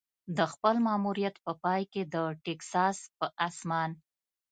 د خپل ماموریت په پای کې د ټیکساس په اسمان.